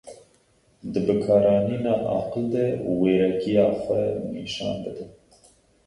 Di bikaranîna aqil de wêrekiya xwe nîşan bide.